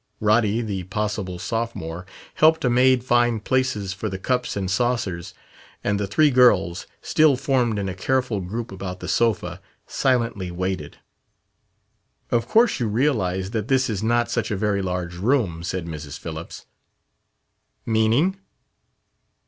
Roddy, the possible sophomore, helped a maid find places for the cups and saucers; and the three girls, still formed in a careful group about the sofa, silently waited. "Of course you realize that this is not such a very large room," said Mrs. Phillips. "Meaning....?"